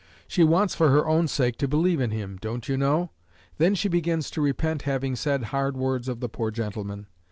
She wants for her own sake to believe in him, don't you know? Then she begins to repent having said hard words of the poor gentleman.